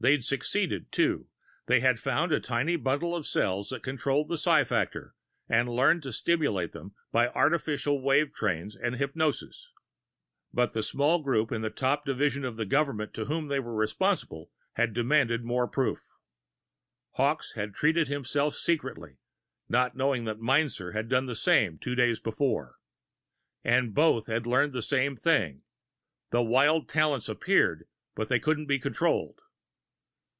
They'd succeeded, too they had found the tiny bundle of cells that controlled the psi factor, and learned to stimulate them by artificial wave trains and hypnosis. But the small group in the top division of the government to whom they were responsible had demanded more proof. Hawkes had treated himself secretly, not knowing that Meinzer had done the same two days before. And both had learned the same thing. The wild talents appeared, but they couldn't be controlled.